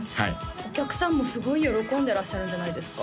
お客さんもすごい喜んでいらっしゃるんじゃないですか？